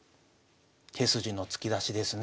手筋の突き出しですね。